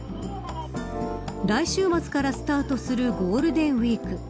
来週末からスタートするゴールデンウイーク。